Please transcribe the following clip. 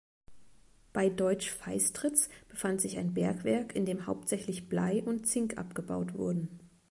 Bei Deutschfeistritz befand sich ein Bergwerk, in dem hauptsächlich Blei und Zink abgebaut wurden.